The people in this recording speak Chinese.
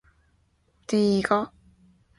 游戏发生在一个被称作「提瓦特」的幻想世界。